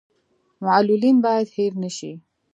معلولین باید هیر نشي